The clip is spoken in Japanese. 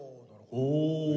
おお！